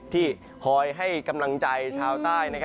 ที่คอยให้กำลังใจชาวใต้